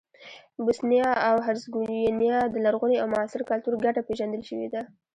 بوسنیا او هرزګوینا د لرغوني او معاصر کلتور ګډه پېژندل شوې ده.